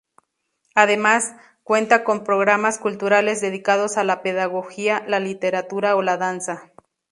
Además cuenta con programas culturales dedicados a la pedagogía, la literatura o la danza.